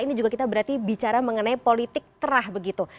ini juga kita berarti bicara mengenai politik terah begitu